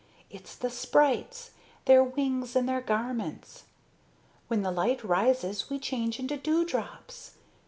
It's the sprites, their wings and their garments. When the light rises we change into dew drops.